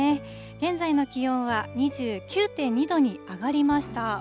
現在の気温は２９．２度に上がりました。